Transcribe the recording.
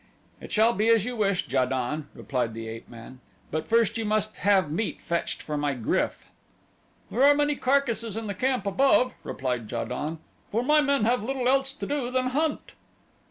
"It shall be as you wish, Ja don," replied the ape man; "but first you must have meat fetched for my GRYF." "There are many carcasses in the camp above," replied Ja don, "for my men have little else to do than hunt."